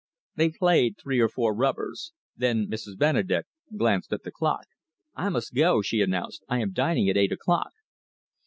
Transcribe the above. They played three or four rubbers. Then Mrs. Benedek glanced at the clock. "I must go," she announced. "I am dining at eight o'clock."